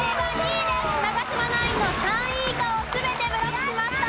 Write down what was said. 長嶋ナインの３位以下を全てブロックしました。